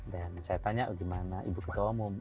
dan saya tanya gimana ibu ketua umum